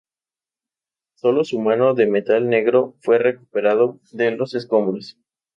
Sólo su mano de metal negro fue recuperado de los escombros.